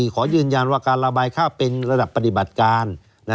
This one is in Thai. ขอยืนยันว่าการระบายข้าวเป็นระดับปฏิบัติการ